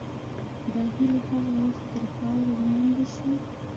دا هیلې هغه وخت تر خاورې لاندې شوې.